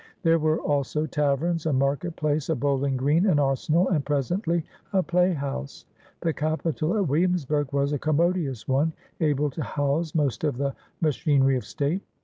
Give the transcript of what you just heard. There were also taverns, a market place, a bowling green, an arsenal, and presently a playhouse. The capitol at Williamsburg was a commodious one, able to house most of the ma chinery of state.